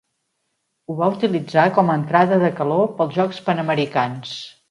Ho va utilitzar com a entrada de calor pels Jocs Panamericans.